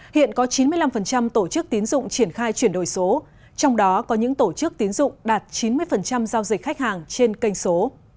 hiện có chín mươi năm tổ chức tiến dụng triển khai chuyển đổi số trong đó có những tổ chức tiến dụng đạt chín mươi giao dịch khách hàng trên kênh số